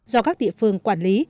do các địa phương quản lý